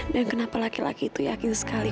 dan kenapa laki laki itu yakin sekali